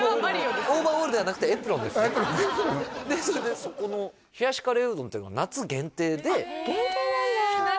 オーバーオールではなくてエプロンですそれでそこの冷やしカレーうどんっていうのは夏限定でえ限定なんだへえ何？